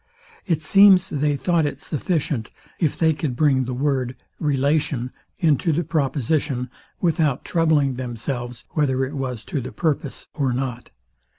It seems they thought it sufficient, if they could bring the word, Relation, into the proposition, without troubling themselves whether it was to the purpose or not.